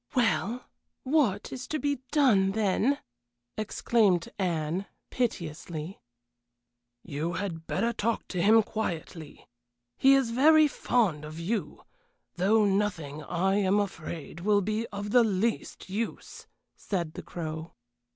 "Well, what is to be done, then?" exclaimed Anne, piteously. "You had better talk to him quietly. He is very fond of you. Though nothing, I am afraid, will be of the least use," said the Crow.